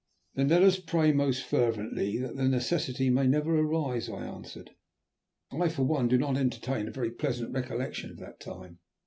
"Then let us pray most fervently that the necessity may never arise," I answered. "I for one do not entertain a very pleasant recollection of that time."